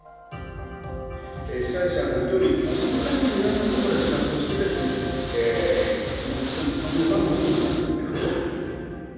主催者はもとより、参加者の皆さんもこれ、自覚をしてですね、ルールを守ってもらわなきゃいかんと。